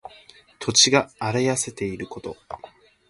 土地が荒れ痩せていること。